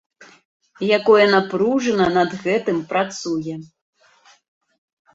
Якое напружана над гэтым працуе.